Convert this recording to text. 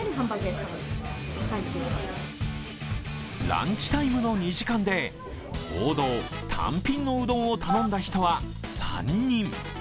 ランチタイムの２時間で王道、単品のうどんを頼んだ人は３人。